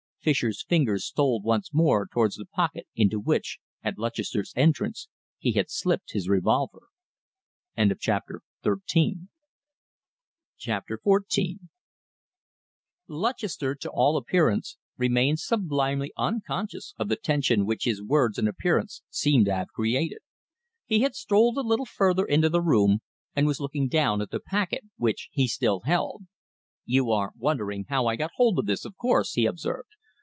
Fischer's fingers stole once more towards the pocket into which, at Lutchester's entrance, he had slipped his revolver. CHAPTER XIV Lutchester, to all appearance, remained sublimely unconscious of the tension which his words and appearance seemed to have created. He had strolled a little further into the room, and was looking down at the packet which he still held. "You are wondering how I got hold of this, of course?" he observed.